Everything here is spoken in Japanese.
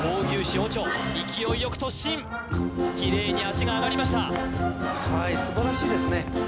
オチョ勢いよく突進きれいに足が上がりましたはい素晴らしいですね